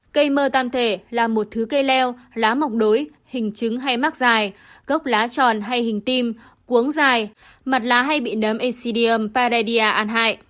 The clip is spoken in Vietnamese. cây mơ tam thể là một thứ cây leo lá mọc đối hình trứng hay mắc dài gốc lá tròn hay hình tim cuống dài mặt lá hay bị đấm excedium paredia an hại